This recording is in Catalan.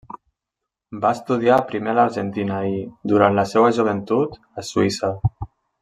Va estudiar primer a l'Argentina i, durant la seua joventut, a Suïssa.